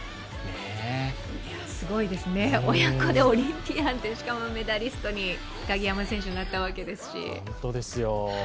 すごいですね、親子でオリンピアンでしかもメダリストに鍵山選手はなったわけですし。